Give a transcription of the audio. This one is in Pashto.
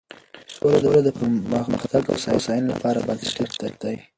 سوله د پرمختګ او هوساینې لپاره بنسټیز شرط دی.